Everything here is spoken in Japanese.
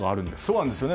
そうなんですね。